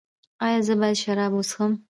ایا زه باید شراب وڅښم؟